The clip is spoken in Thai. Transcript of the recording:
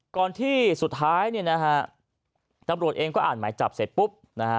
ก่อนที่สุดท้ายเนี่ยนะฮะตำรวจเองก็อ่านหมายจับเสร็จปุ๊บนะฮะ